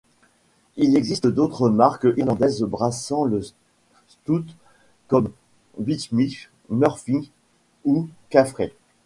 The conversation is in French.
Il existe d'autres marques irlandaises brassant le stout comme Beamish, Murphy ou Caffrey.